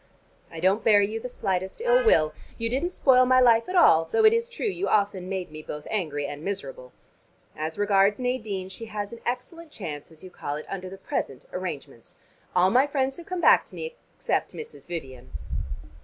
I don't bear you the slightest ill will. You didn't spoil my life at all, though it is true you often made me both angry and miserable. As regards Nadine, she has an excellent chance, as you call it, under the present arrangements. All my friends have come back to me, except Mrs. Vivian."